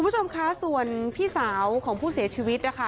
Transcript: คุณผู้ชมคะส่วนพี่สาวของผู้เสียชีวิตนะคะ